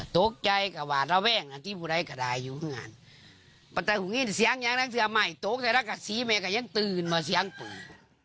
แต่ละกับสีเมกะยังตื่นมาเสียงตื่น